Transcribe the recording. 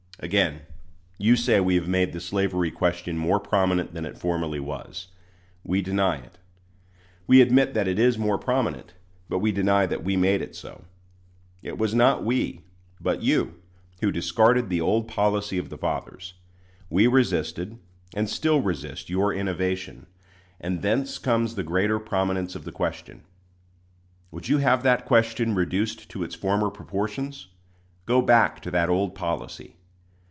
Again, you say we have made the slavery question more prominent than it formerly was. We deny it. We admit that it is more prominent, but we deny that we made it so. It was not we, but you, who discarded the old policy of the fathers. We resisted, and still resist, your innovation; and thence comes the greater prominence of the question. Would you have that question reduced to its former proportions? Go back to that old policy.